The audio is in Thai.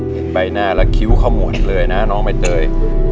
เห็นใบหน้าและคิ้วเข้าหมดเลยนะน้องใบเตย